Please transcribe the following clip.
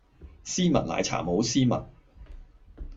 絲襪奶茶冇絲襪